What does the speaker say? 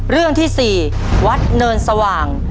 เรื่องที่๔วัดเนินสว่าง